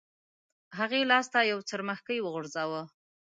هغې لاس ته یو څرمښکۍ وغورځاوه.